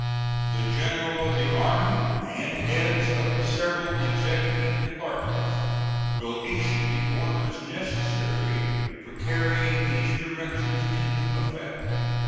The General of the Army and heads of the several Executive Departments will issue the orders necessary for carrying these directions into effect.